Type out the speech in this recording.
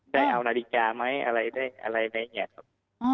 ได้เอานาฬิกาไหมอะไรได้อะไรอะไรอย่างนี้ครับ